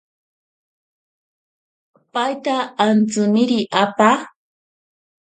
Paita antsimiri apa.